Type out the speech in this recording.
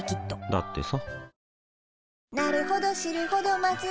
だってさ